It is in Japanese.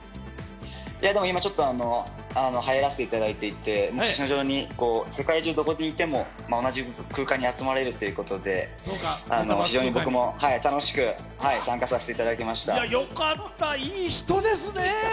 でも今ちょっと、入らせていただいて、世界中どこにいても同じ空間に集まれるということで非常に僕も楽しく参加させていただいていました。よかった、いい人ですね。